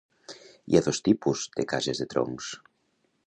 Hi ha dos tipus de cases de troncs.